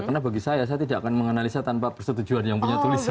karena bagi saya saya tidak akan menganalisa tanpa persetujuan yang punya tulisan